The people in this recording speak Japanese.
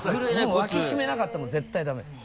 もう脇締めなかったら絶対ダメです。